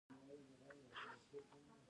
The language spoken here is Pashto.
زمرد د افغانستان د انرژۍ سکتور برخه ده.